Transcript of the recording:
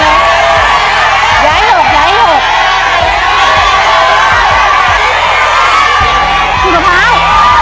อย่าให้หลบอย่าให้หลบ